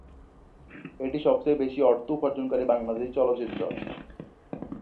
এটি সবচেয়ে বেশি অর্থ উপার্জনকারী বাংলাদেশি চলচ্চিত্র।